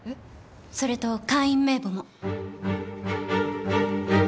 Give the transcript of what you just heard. それと会員名簿も。